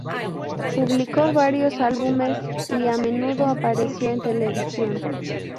Publicó varios álbumes y a menudo apareció en televisión.